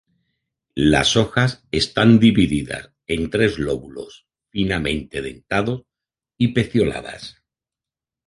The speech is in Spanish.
Las hojas están divididas en tres lóbulos finamente dentados y pecioladas.